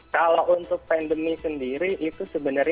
kalau untuk pandemi sendiri itu sebenarnya